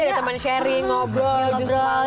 ini ada temen sharing ngobrol semangat gitu ya